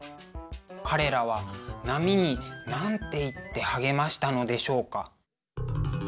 彼らは波に何て言って励ましたのでしょうか。